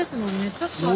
ちょっと私。